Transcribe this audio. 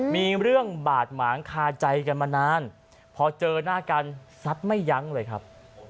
มีเรื่องบาดหมางคาใจกันมานานพอเจอหน้ากันซัดไม่ยั้งเลยครับ